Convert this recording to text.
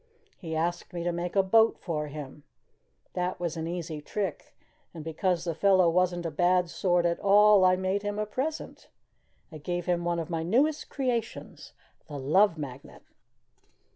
He asked me to make a boat for him. That was an easy trick. And because the fellow wasn't a bad sort at all, I made him a present I gave him one of my newest creations the Love Magnet."